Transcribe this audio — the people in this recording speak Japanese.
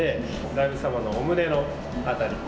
大仏様のお胸の辺り。